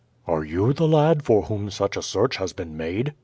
"Are you the lad for whom such a search has been made?"